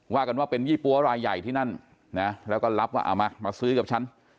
กันว่าเป็นยี่ปั๊วรายใหญ่ที่นั่นนะแล้วก็รับว่าเอามามาซื้อกับฉัน